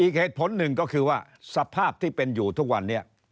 อีกเหตุผลหนึ่งก็คือว่าสภาพที่เป็นอยู่ทุกวันนี้